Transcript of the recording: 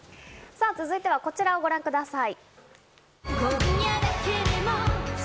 さぁ、続いてはこちらをご覧ください。